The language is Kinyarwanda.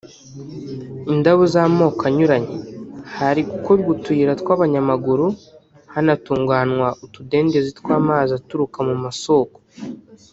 indabo z’amoko anyuranye; hari gukorwa utuyira tw’abanyamaguru; hanatunganywa utudendezi tw’amazi aturuka mu masoko